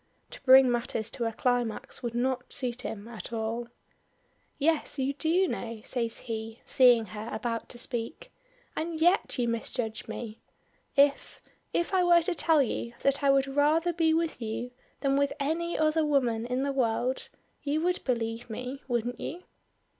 To bring matters to a climax, would not suit him at all. "Yes, you do know," says he, seeing her about to speak. "And yet you misjudge me. If if I were to tell you that I would rather be with you than with any other woman in the world, you would believe me, wouldn't you?"